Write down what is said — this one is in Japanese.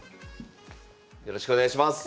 よろしくお願いします。